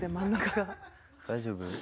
大丈夫？